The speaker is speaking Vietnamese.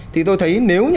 thì tôi thấy nếu như